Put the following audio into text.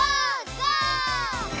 ゴー！